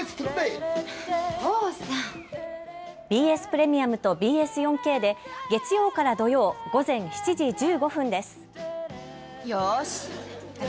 ＢＳプレミアムとＢＳ４Ｋで月曜から土曜、午前７時１５分です。